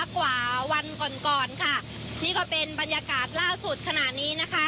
กว่าวันก่อนก่อนค่ะนี่ก็เป็นบรรยากาศล่าสุดขณะนี้นะคะ